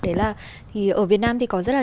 đấy là ở việt nam thì có rất là